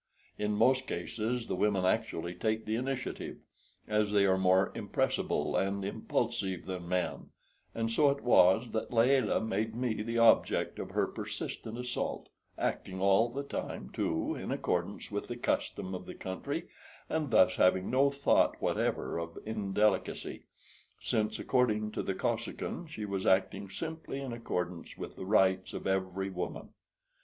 In most cases the women actually take the initiative, as they are more impressible and impulsive than men; and so it was that Layelah made me the object of her persistent assault acting all the time, too, in accordance with the custom of the country, and thus having no thought whatever of indelicacy, since, according to the Kosekin, she was acting simply in accordance with the rights of every woman.